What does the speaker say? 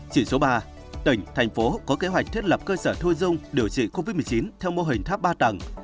chỉ số ba tỉnh thành phố có kế hoạch thiết lập cơ sở thu dung điều trị covid một mươi chín theo mô hình tháp ba tầng